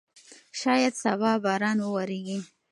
شاید سبا باران وورېږي.